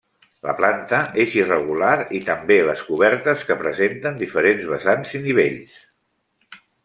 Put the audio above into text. La planta és irregular i també les cobertes que presenten diferents vessants i nivells.